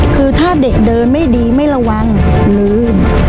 คือถ้าเด็กเดินไม่ดีไม่ระวังลืม